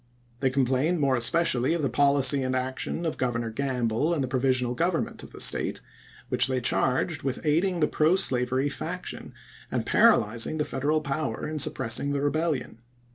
They complained more especially of the policy and action of Gov ernor Gamble and the provisional government of the State, which they charged with aiding the pro slavery faction and paralyzing the Federal power in suppressing the rebellion.